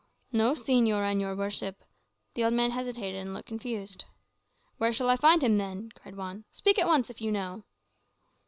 "No, señor and your worship," the old man hesitated, and looked confused. "Where shall I find him, then?" cried Juan; "speak at once, if you know."